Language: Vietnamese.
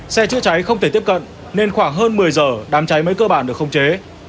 xe chữa cháy không thể tiếp cận nên khoảng hơn một mươi giờ đám cháy mới cơ bản được khống chế